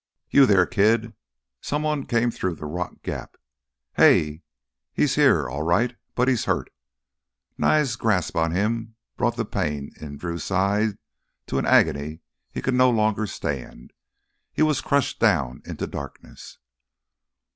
"You there, kid?" Someone came through the rock gap. "Hey—he's here all right, but he's hurt!" Nye's grasp on him brought the pain in Drew's side to an agony he could no longer stand. He was crushed down into darkness.